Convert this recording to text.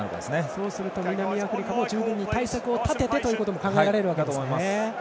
そうすると南アフリカも十分に対策を立ててということも考えられるわけですね。